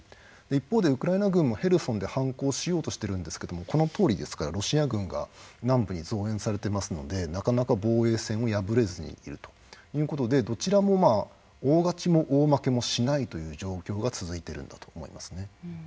一方でウクライナ軍もヘルソンで反攻しようとしてるんですけどもこのとおりですからロシア軍が南部に増員されていますのでなかなか防衛線を破れずにいるということでどちらもまあ大勝ちも大負けもしないという状況が続いてるんだと思いますね。